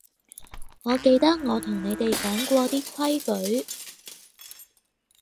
我記得我同你哋講過啲規矩